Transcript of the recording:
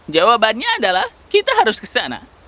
jawabannya adalah kita harus ke sana